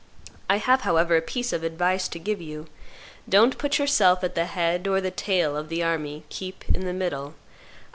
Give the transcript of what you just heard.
I have, however, a piece of advice to give you; don't put yourself at the head or the tail of the army; keep in the middle.